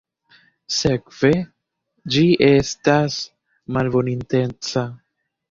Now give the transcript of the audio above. Sekve, ĝi estas malbonintenca.